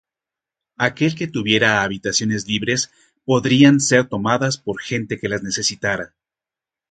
Aquel que tuviera habitaciones libres, podrían ser tomadas por gente que las necesitara.